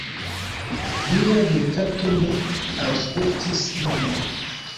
Nia virkato ne aŭskultis ilin.